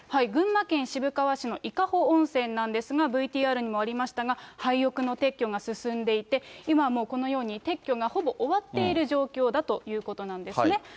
群馬県渋川市の伊香保温泉なんですが、ＶＴＲにもありましたが、廃屋の撤去が進んでいて、今はもうこのように、撤去がほぼ終わっている状況だということなんですね。